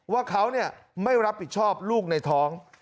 ว่าเขาไม่รับผิดชอบลูกในท้อง